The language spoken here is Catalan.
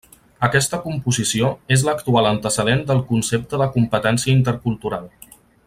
Aquesta composició és l'actual antecedent del concepte de competència intercultural.